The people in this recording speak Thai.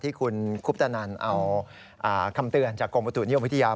ที่คุณคุปตนันเอาคำเตือนจากกรมประตุนิยมวิทยา